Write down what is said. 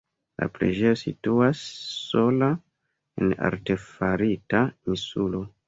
La preĝejo situas sola en artefarita insulo.